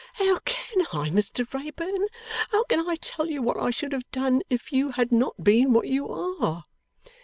'How can I, Mr Wrayburn? How can I tell you what I should have done, if you had not been what you are?